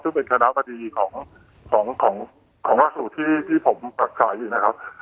ซึ่งเป็นคณะบดีของของของของว่าสูตรที่ที่ผมตัดใส่นะครับ